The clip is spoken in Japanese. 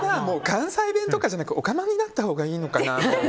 関西弁とかじゃなくおかまになったほうがいいのかな。